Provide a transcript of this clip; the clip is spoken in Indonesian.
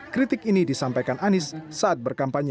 kritik ini disampaikan anies saat berkampanye